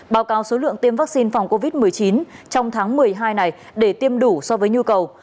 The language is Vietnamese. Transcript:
báo cáo số lượng tiêm vaccine phòng covid một mươi chín trong tháng một mươi hai này để tiêm đủ so với nhu cầu